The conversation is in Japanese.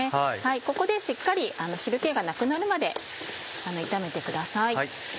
ここでしっかり汁気がなくなるまで炒めてください。